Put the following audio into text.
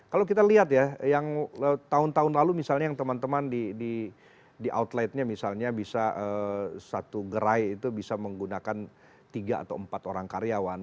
kalau kita lihat ya yang tahun tahun lalu misalnya yang teman teman di outletnya misalnya bisa satu gerai itu bisa menggunakan tiga atau empat orang karyawan